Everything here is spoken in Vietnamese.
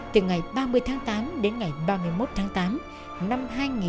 từ ngày ba mươi tháng tám đến ngày ba mươi một tháng tám năm hai nghìn một mươi chín